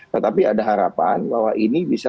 tetapi ada harapan bahwa ini bisa